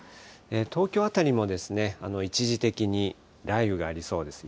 東京辺りも一時的に雷雨がありそうです。